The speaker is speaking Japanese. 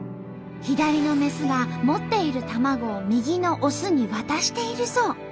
左のメスが持っている卵を右のオスに渡しているそう。